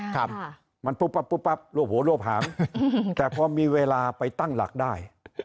ครับมันปุ๊บปั๊บปุ๊บปั๊บรวบหัวรวบหามแต่พอมีเวลาไปตั้งหลักได้